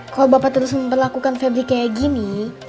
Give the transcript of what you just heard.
kalau bapak terus memperlakukan fabri kayak gini